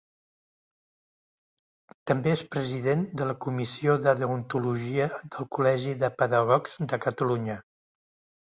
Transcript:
També és president de la Comissió de Deontologia del Col·legi de Pedagogs de Catalunya.